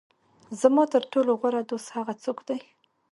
زما تر ټولو غوره دوست هغه څوک دی.